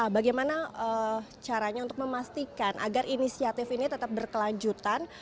bagaimana caranya untuk memastikan agar inisiatif ini tetap berkelanjutan